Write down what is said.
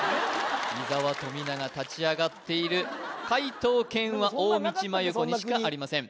伊沢富永立ち上がっている解答権は大道麻優子にしかありません